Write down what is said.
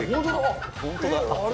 本当だ。